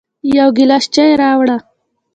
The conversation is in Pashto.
يو ګیلاس چای راوړه